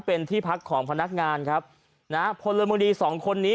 เป็นที่พักของพนักงานครับนะฮะพลเมืองดีสองคนนี้